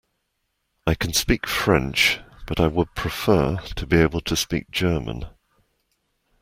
I can speak French, but I would prefer to be able to speak German